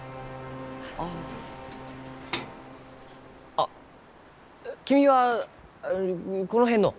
あっ君はこの辺の？